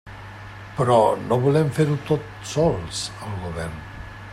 Però no volem fer-ho tot sols al Govern.